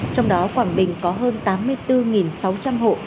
trong đó quảng bình có hơn tám mươi bốn sáu trăm linh hộ